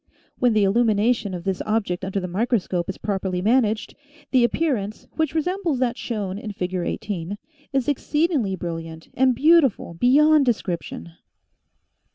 When the illumination of this object under the microscope is properly managed, the appearance, which resembles that shown in Fig. 18, is exceedingly brilliant, and beautiful beyond description.